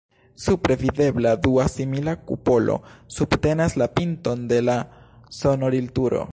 Supre, nevidebla, dua simila kupolo subtenas la pinton de la sonorilturo.